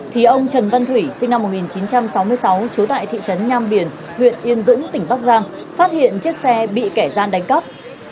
thì ông trần văn thủy sinh năm một nghìn chín trăm sáu mươi sáu trú tại thị trấn nham biển huyện yên dũng tỉnh bắc giang phát hiện chiếc xe bị kẻ gian đánh cắp